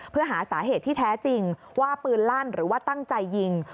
เพื่อหาสาเหตุที่แท้จริงว่าปืนลั่นหรือว่าตั้งใจยิง